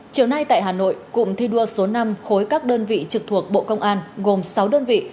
chiều nay tại hà nội cụm thi đua số năm khối các đơn vị trực thuộc bộ công an gồm sáu đơn vị